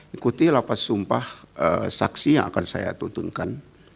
ikuti lapas sumpah saksi yang akan saya tuntunkan